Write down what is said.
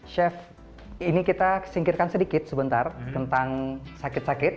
chef ini kita singkirkan sedikit sebentar tentang sakit sakit